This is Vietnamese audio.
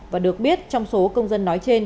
và được biết trong số công dân nói trên